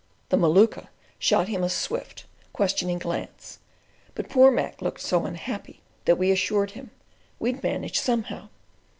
The Maluka shot him a swift, questioning glance; but poor Mac looked so unhappy that we assured him "we'd manage somehow."